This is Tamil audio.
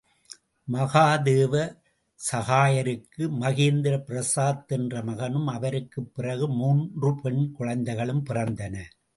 மகாதேவ சஹாயருக்கு மகேந்திர பிரசாத் என்ற மகனும், அவருக்குப் பிறகு மூன்று பெண் குழந்தைகளும் பிறந்தன.